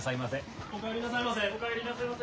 お帰りなさいませ。